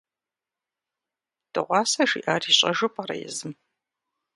Дыгъуасэ жиӀар ищӀэжу пӀэрэ езым?